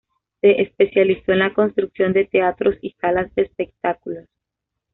Se especializó en la construcción de teatros y salas de espectáculos.